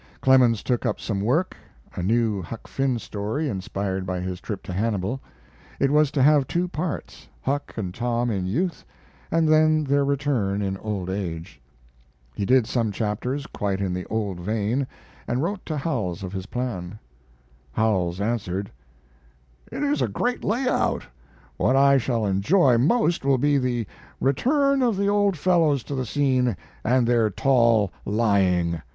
Clemens took up some work a new Huck Finn story, inspired by his trip to Hannibal. It was to have two parts Huck and Tom in youth, and then their return in old age. He did some chapters quite in the old vein, and wrote to Howells of his plan. Howells answered: It is a great lay out: what I shall enjoy most will be the return of the old fellows to the scene and their tall lying.